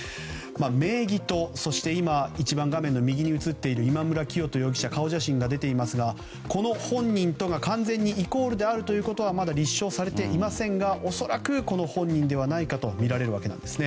名義と画面右の今村磨人容疑者の顔写真が出ていますがこの本人とが完全にイコールであることはまだ立証されていませんが恐らく本人ではないかとみられるわけです。